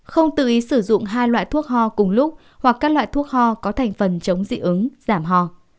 không tự ý sử dụng hai loại thuốc ho cùng lúc hoặc các loại thuốc ho có thành phần chống dị ứng giảm ho